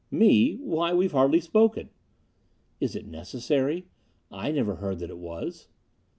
"Me? Why, we've hardly spoken!" "Is it necessary? I never heard that it was."